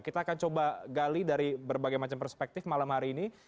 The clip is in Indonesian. kita akan coba gali dari berbagai macam perspektif malam hari ini